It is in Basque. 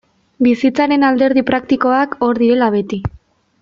Bizitzaren alderdi praktikoak hor direla beti.